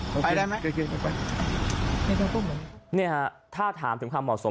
คุณผู้ชมไปฟังเสียงพร้อมกัน